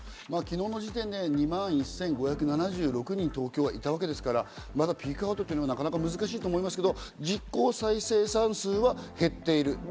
昨日の時点で２万１５７６人、東京はいたわけですから、まだピークアウトというのは難しいと思いますけど、実効再生産数が減っている。